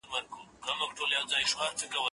زه به تمرين کړي وي!؟